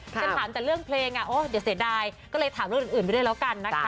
จะถามแต่เรื่องเพลงเดี๋ยวเสียดายก็เลยถามเรื่องอื่นไปด้วยแล้วกันนะคะ